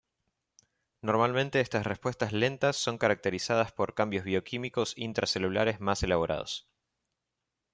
Normalmente estas respuestas lentas son caracterizadas por cambios bioquímicos intracelulares más elaborados.